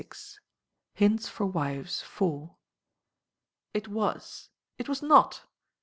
Hints for Wives (4). "It was!" "It was not!"